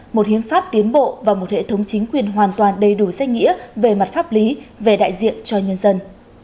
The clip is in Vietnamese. một hiến pháp tiến bộ và một hệ thống chính quyền hoàn toàn đầy đủ danh nghĩa về mặt pháp lý về đại diện cho nhân dân